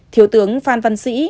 thiếu tướng phan văn sĩ